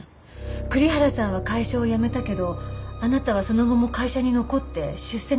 栗原さんは会社を辞めたけどあなたはその後も会社に残って出世なさったようですけど？